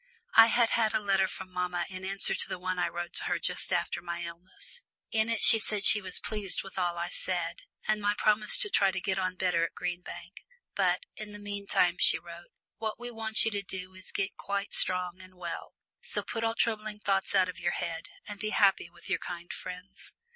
I had had a letter from mamma in answer to the one I wrote to her just after my illness. In it she said she was pleased with all I said, and my promise to try to get on better at Green Bank, but "in the meantime," she wrote, "what we want you to do is to get quite strong and well, so put all troubling thoughts out of your head and be happy with your kind friends."